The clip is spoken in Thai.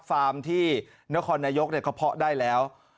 ฟาร์มที่นครนายกเขาเพาะได้แล้ว